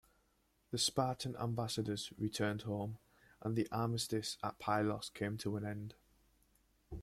The Spartan ambassadors returned home, and the armistice at Pylos came to an end.